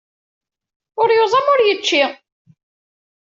Ur yuẓam ur yečči.